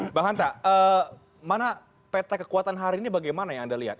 mbak hanta mana peta kekuatan hari ini bagaimana yang anda lihat